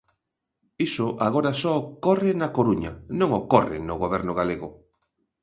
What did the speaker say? Iso agora só ocorre na Coruña, non ocorre no Goberno galego.